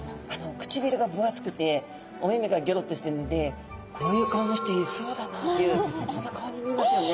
くちびるが分厚くてお目目がぎょろってしてるのでこういう顔の人いそうだなっていうそんな顔に見えますよね。